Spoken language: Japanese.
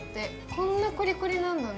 こんなコリコリなんだね。